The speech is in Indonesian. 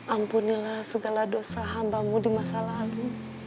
ampunilah segala dosa hambamu di masa lalu